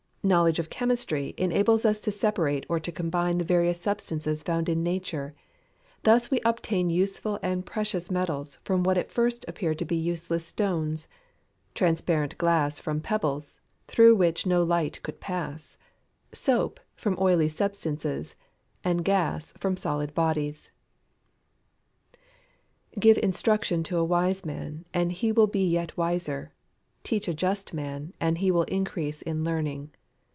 Knowledge of Chemistry enables us to separate or to combine the various substances found in nature. Thus we obtain useful and precious metals from what at first appeared to be useless stones; transparent glass from pebbles, through which no light could pass; soap from oily substances; and gas from solid bodies. [Verse: "Give instruction to a wise man, and he will be yet wiser; teach a just man, and he will increase in learning."